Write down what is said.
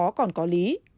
chúng ta còn có lý